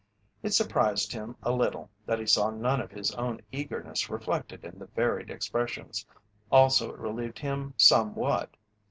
It surprised him a little that he saw none of his own eagerness reflected in the varied expressions, also it relieved him somewhat.